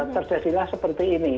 terjadilah seperti ini